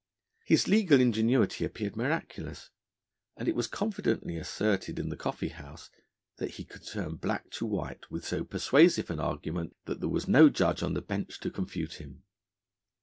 His legal ingenuity appeared miraculous, and it was confidently asserted in the Coffee House that he could turn black to white with so persuasive an argument that there was no Judge on the Bench to confute him.